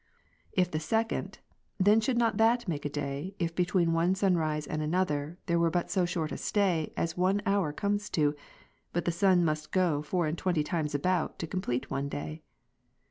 If the second, then should not that make a day, if between one sun rise and another there were but so short a stay, as one hour comes to ; but the sun must go four and twenty times about, to complete one day.